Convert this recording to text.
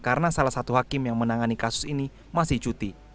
karena salah satu hakim yang menangani kasus ini masih cuti